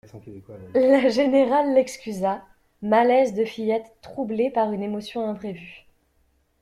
La générale l'excusa: malaise de fillette troublée par une émotion imprévue.